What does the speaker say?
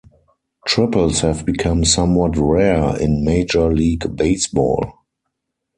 Triples have become somewhat rare in Major League Baseball.